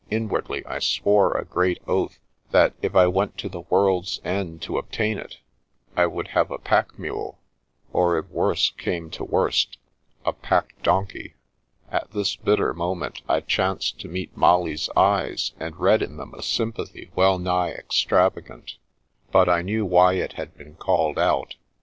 Inwardly, I swore a great oath that, if I went to the world's end to obtain it, I would have a pack mule, or, if worse came to worst, a pack donkey. At this bitter moment I chanced to meet Molly's eyes and read in them a sympathy well nigh ex travagant. But I knew why it had been called out.